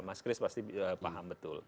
mas chris pasti paham betul